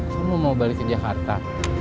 saya mau balik ke jakarta